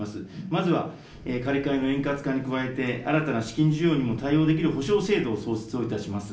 まずは借り換えの円滑化に加えて、新たな資金需要にも対応できる保障制度を創設をいたします。